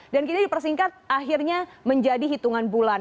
dan kita dipersingkat akhirnya menjadi hitungan bulan